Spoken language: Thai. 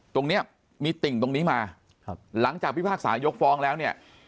ตรงเนี้ยมีติ่งตรงนี้มาหลังจากพิพากษายกฟ้องแล้วเนี่ย